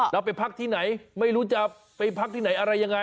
เราไปพักที่ไหนไม่รู้จะไปพักที่ไหนอะไรยังไง